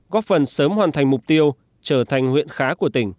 góp phần sớm hoàn thành mục tiêu trở thành huyện khá của tỉnh